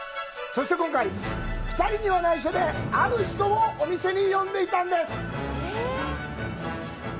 そして今回、実は２人には内緒である人を店に呼んでいたんです。